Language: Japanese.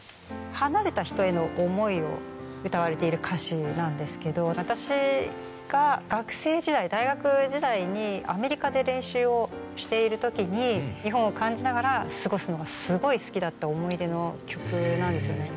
離れた人への思いを歌われている歌詞なんですけど私が学生時代日本を感じながら過ごすのがすごい好きだった思い出の曲なんですよね。